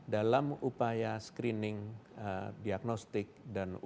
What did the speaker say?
dalam upaya screening diagnostik dan upaya